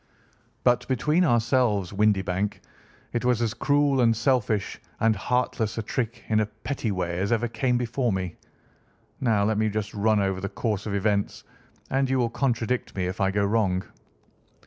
But between ourselves, Windibank, it was as cruel and selfish and heartless a trick in a petty way as ever came before me. Now, let me just run over the course of events, and you will contradict me if I go wrong."